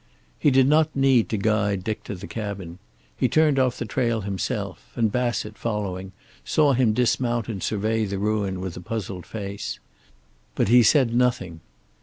He did not need to guide Dick to the cabin. He turned off the trail himself, and Bassett, following, saw him dismount and survey the ruin with a puzzled face. But he said nothing.